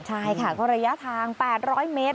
ใช่ค่ะก็ระยะทาง๘๐๐เมตร